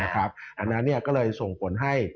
อันนั้นก็เลยส่งผลให้